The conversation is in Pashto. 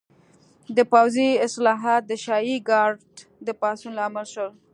د پوځي اصلاحات د شاهي ګارډ د پاڅون لامل شول.